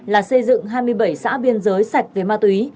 là xây dựng hai mươi bảy xã biên giới sạch về ma túy